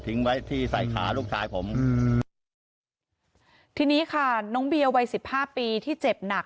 ไว้ที่ใส่ขาลูกชายผมอืมทีนี้ค่ะน้องเบียวัยสิบห้าปีที่เจ็บหนัก